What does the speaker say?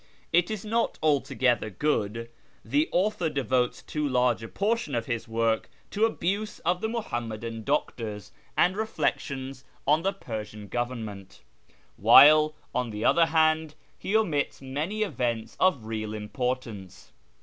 It is not altogether good. The author devotes too large a portion of his work to abuse of the Muhammadan SHIRAZ 315 doctors and reflections on the Persian Government, while, on the other hand, he omits many events of real importance.